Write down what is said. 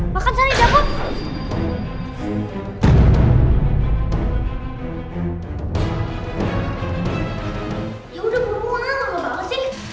makan sani jangan bunuh